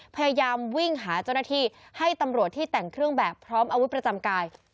พยายามวิ่งหาเจ้าหน้าที่ให้ตำรวจที่แต่งเครื่องแบบพร้อมอาวุธประจำกาย